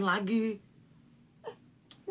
nggak ada apa apa